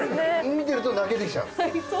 見てると泣けてきちゃう？